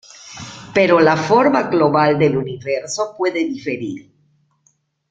Pero la forma global del universo puede diferir.